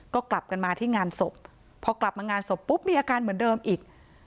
ก็กลับกันมาที่งานศพพอกลับมางานศพปุ๊บมีอาการเหมือนเดิมอีก